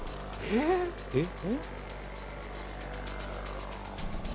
「えっ！」